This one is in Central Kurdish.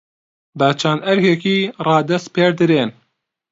بە چەند ئەرکێکی رادەسپێردرێن